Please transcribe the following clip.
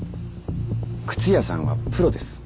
靴屋さんはプロです。